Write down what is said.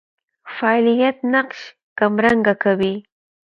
فاعلیت نقش کمرنګه کوي.